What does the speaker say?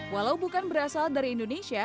walau bukan berasal dari indonesia